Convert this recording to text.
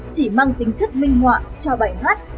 chỉ mang tính chất minh họa cho bài hát